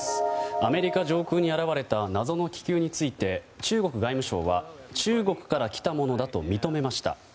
アメリカ上空に現れた謎の気球について中国外務省は、中国から来たものだと認めました。